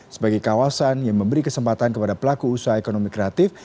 sebagai kawasan yang memberi kesempatan kepada pelaku usaha ekonomi kreatif